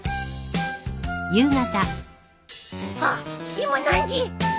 今何時！？